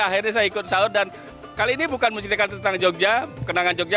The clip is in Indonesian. akhirnya saya ikut sahur dan kali ini bukan menceritakan tentang jogja kenangan jogja